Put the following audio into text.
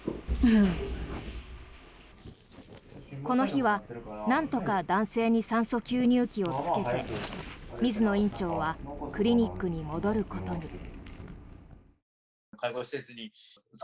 この日は、なんとか男性に酸素吸入器をつけて水野院長はクリニックに戻ることに。